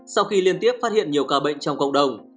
sau khi liên tiếp phát hiện nhiều ca bệnh trong cộng đồng